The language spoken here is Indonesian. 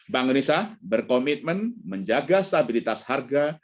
bank indonesia berkomitmen menjaga stabilitas harga